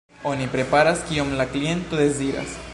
Oni preparas, kion la kliento deziras.